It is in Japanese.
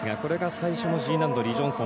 最初のＧ難度、リ・ジョンソン。